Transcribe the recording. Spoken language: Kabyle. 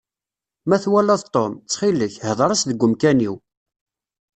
Ma twalaḍ Tom, ttxil-k, hder-as deg umkan-iw.